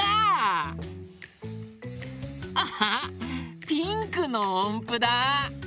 アハッピンクのおんぷだ！